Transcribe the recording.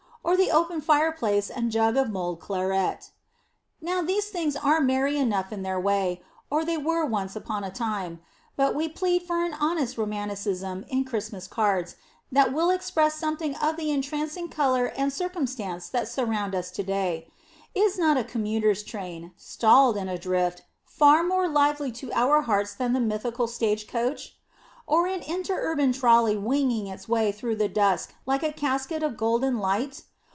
or the open fireplace and jug of mulled claret. Now these things are merry enough in their way, or they were once upon a time; but we plead for an honest romanticism in Christmas cards that will express something of the entrancing color and circumstance that surround us to day. Is not a commuter's train, stalled in a drift, far more lively to our hearts than the mythical stage coach? Or an inter urban trolley winging its way through the dusk like a casket of golden light?